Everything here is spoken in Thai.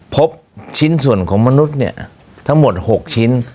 พบชิ้นส่วนของมนุษย์เนี่ยทั้งหมด๖ชิ้น